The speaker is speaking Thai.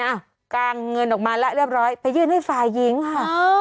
อ่ะกางเงินออกมาแล้วเรียบร้อยไปยื่นให้ฝ่ายหญิงค่ะ